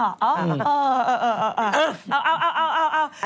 เอ้าเขาเขาก็บอกว่า